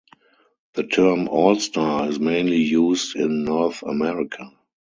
The term "all-star" is mainly used in North America.